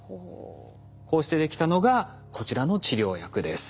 こうしてできたのがこちらの治療薬です。